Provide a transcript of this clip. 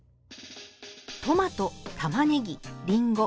トマトたまねぎりんご